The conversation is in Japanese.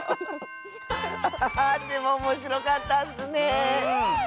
ハハハーでもおもしろかったッスね！